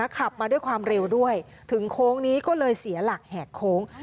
ขับมาด้วยความเร็วด้วยถึงโค้งนี้ก็เลยเสียหลักแหกโค้ง